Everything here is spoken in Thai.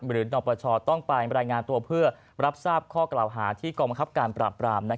นปชต้องไปรายงานตัวเพื่อรับทราบข้อกล่าวหาที่กองบังคับการปราบปราม